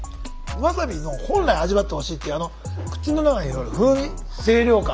ワサビの本来味わってほしいっていうあの口の中にいわゆる風味清涼感。